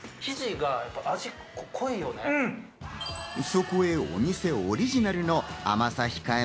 そこへお店オリジナルの甘さ控え